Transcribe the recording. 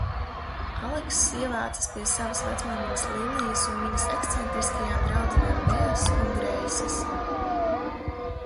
Alekss ievācas pie savas vecmāmiņas Lillijas un viņas ekscentriskajām draudzenēm Beas un Greisas.